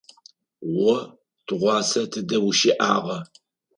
О тыгъуасэ тыдэ ущыӏагъа?